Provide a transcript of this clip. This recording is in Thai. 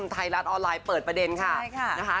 ไทยรัตน์ออนไลน์เปิดประเด็นค่ะ